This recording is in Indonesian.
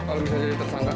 kalau bisa jadi tersangka